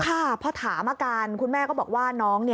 ค่ะพอถามอาการคุณแม่ก็บอกว่าน้อง